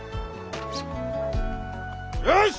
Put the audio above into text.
よし！